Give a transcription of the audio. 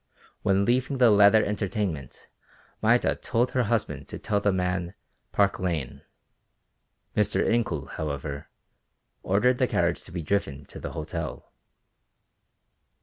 When leaving the latter entertainment Maida told her husband to tell the man "Park Lane." Mr. Incoul, however, ordered the carriage to be driven to the hotel.